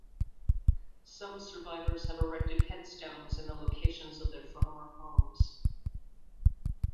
Some survivors have erected headstones in the locations of their former homes.